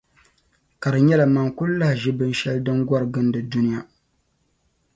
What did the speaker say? Ka di nyɛla man' kuli lahi ʒi binshɛli din gɔri gindi duniya